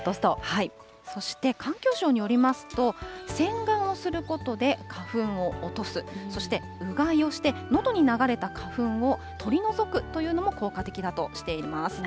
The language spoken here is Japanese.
そして、環境省によりますと、洗顔をすることで、花粉を落とす、そしてうがいをして、のどに流れた花粉を取り除くというのも効果的だとしています。